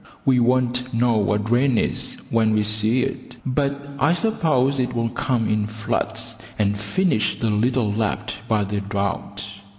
We won't know what rain is when we see it; but I suppose it will come in floods and finish the little left by the drought.